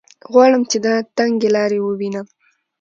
غواړم چې دا تنګې لارې ووینم.